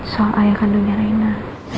soal ayah kandungnya reina